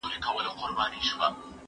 که وخت وي، لوبه کوم!!